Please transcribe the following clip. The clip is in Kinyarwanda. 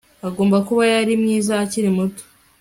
Agomba kuba yari mwiza akiri muto